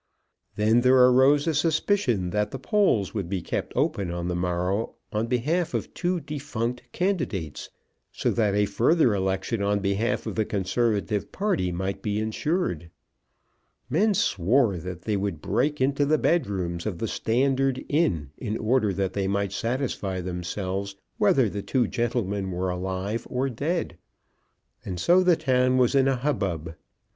Then there arose a suspicion that the polls would be kept open on the morrow on behalf of two defunct candidates, so that a further election on behalf of the conservative party might be ensured. Men swore that they would break into the bedrooms of the Standard Inn, in order that they might satisfy themselves whether the two gentlemen were alive or dead. And so the town was in a hubbub.